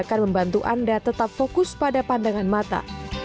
akan membantu anda tetap fokus pada pandangan mata